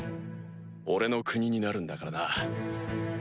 俺の国になるんだからな。